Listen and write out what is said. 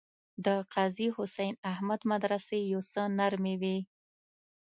د قاضي حسین احمد مدرسې یو څه نرمې وې.